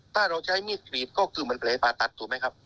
ถ้าเราใช้มีดกรีดก็คือเหมือนแผลผ่าตัดถูกไหมครับ